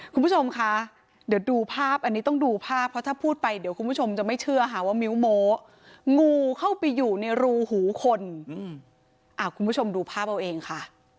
คุณผู้ชมคะเดี๋ยวดูภาพอันนี้ต้องดูภาพเพราะถ้าพูดไปเดี๋ยวคุณผู้ชมจะไม่เชื่อค่ะว่ามิ้วโมงูเข้าไปอยู่ในรูหูคนคุณผู้ชมดูภาพเอาเองค่ะ